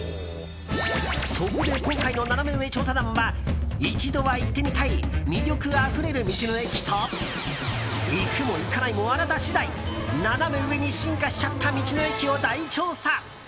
そこで今回のナナメ上調査団は一度は行ってみたい魅力あふれる道の駅と行くも行かないもあなた次第ナナメ上に進化しちゃった道の駅を大調査。